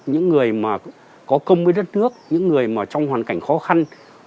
những người mà có công với đất nước những người mà trong hoàn cảnh khó khăn